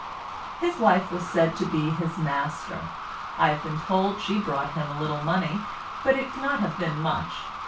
His wife was said to be his master; I have been told she brought him a little money, but it cannot have been much.